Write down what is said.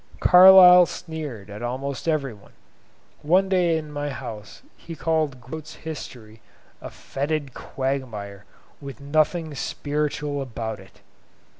Carlyle sneered at almost every one: one day in my house he called Grote's 'History' "a fetid quagmire, with nothing spiritual about it."